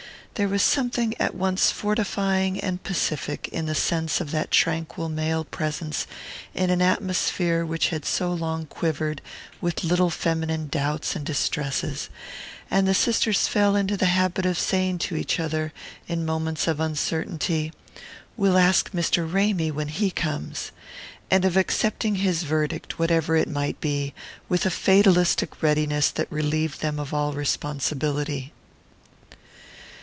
There was something at once fortifying and pacific in the sense of that tranquil male presence in an atmosphere which had so long quivered with little feminine doubts and distresses; and the sisters fell into the habit of saying to each other, in moments of uncertainty: "We'll ask Mr. Ramy when he comes," and of accepting his verdict, whatever it might be, with a fatalistic readiness that relieved them of all responsibility.